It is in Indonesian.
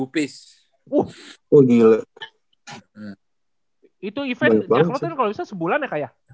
itu event jacklot kan kalau bisa sebulan ya kak ya